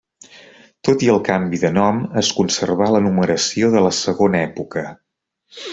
Tot i el canvi de nom, es conservà la numeració de la segona època.